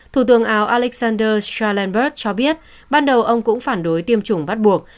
thủ tường áo alexander schellenberg cho biết ban đầu ông cũng phản đối tiêm chủng bắt buộc